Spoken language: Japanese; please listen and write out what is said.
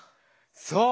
そう！